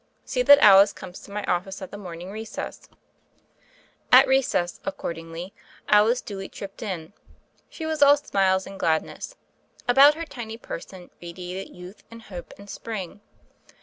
See that Alice comes to my office at the morning recess." 26 THE FAIRY OF THE SNOWS At recess, accordingly, Alice duly tripped in. She was all smiles and gladness. About her tiny person radiated youth and hope and spring.